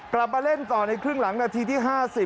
กลับมาเล่นต่อในครึ่งหลังนาทีที่๕๐